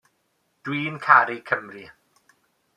Dw i'n caru Cymru.